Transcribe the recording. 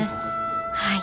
はい。